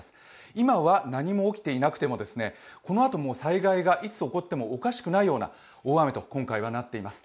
今は何も起きていなくても、このあと災害がいつ起こってもおかしくないような大雨と今回はなっています。